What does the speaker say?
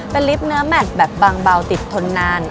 เป็นลิฟต์เนื้อแมทแบบบางเบาติดทนนาน